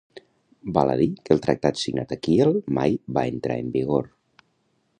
Val a dir que el tractat signat a Kiel mai va entrar en vigor.